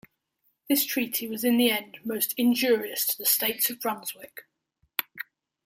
This treaty was in the end most injurious to the states of Brunswick.